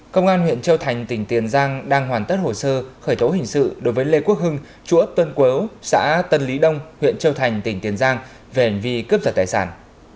công an huyện châu thành tỉnh tiền giang đang hoàn tất hồ sơ khởi tố hình sự đối với lê quốc hưng chúa tân quế xã tân lý đông huyện châu thành tỉnh tiền giang về hành vi cướp giật tài sản